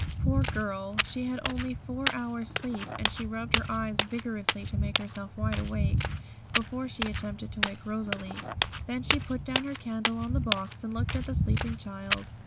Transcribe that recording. Poor girl, she had only had four hours' sleep, and she rubbed her eyes vigorously to make herself wide awake, before she attempted to wake Rosalie. Then she put down her candle on the box and looked at the sleeping child.